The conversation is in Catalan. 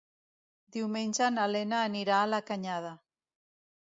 Diumenge na Lena anirà a la Canyada.